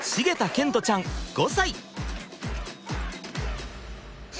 賢澄ちゃん５歳！